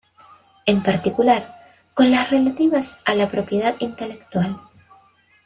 en particular, con las relativas a la propiedad intelectual